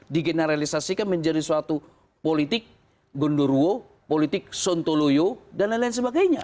digeneralisasikan menjadi suatu politik gondoruo politik sontoloyo dan lain lain sebagainya